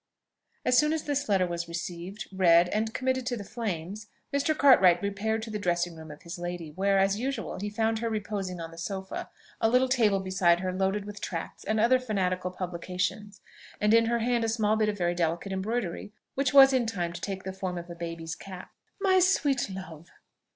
As soon as this letter was received, read, and committed to the flames, Mr. Cartwright repaired to the dressing room of his lady, where, as usual, he found her reposing on the sofa; a little table beside her loaded with tracts and other fanatical publications, and in her hand a small bit of very delicate embroidery, which was in time to take the form of a baby's cap. "My sweet love!